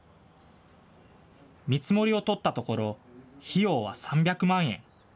見積もりを取ったところ、費用は３００万円。